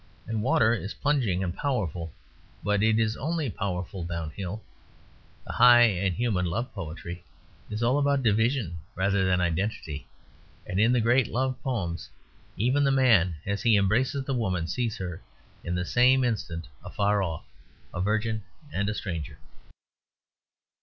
And water is plunging and powerful; but it is only powerful downhill. The high and human love poetry is all about division rather than identity; and in the great love poems even the man as he embraces the woman sees her, in the same instant, afar off; a virgin and a stranger.